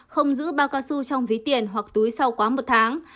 không giữ bao cao su trong ví tiền hoặc túi sau quá một tháng